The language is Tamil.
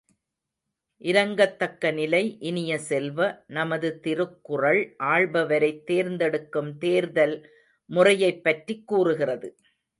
இரங்கத்தக்க நிலை, இனிய செல்வ, நமது திருக்குறள் ஆள்பவரைத் தேர்ந்தெடுக்கும் தேர்தல் முறையைப் பற்றிக் கூறுகிறது.